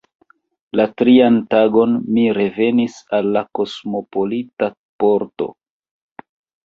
La trian tagon mi revenis al la kosmopolita Porto.